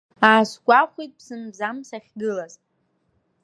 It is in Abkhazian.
Аасгәахәит ԥсым-бзам сахьгылаз.